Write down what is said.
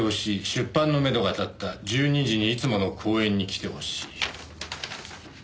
出版のめどが立った」「１２時にいつもの公園に来て欲しい」